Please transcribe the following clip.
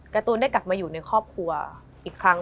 การ์ตูนได้กลับมาอยู่ในครอบครัวอีกครั้ง